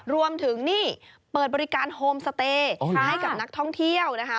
รวมถึงนี่เปิดบริการโฮมสเตย์ให้กับนักท่องเที่ยวนะคะ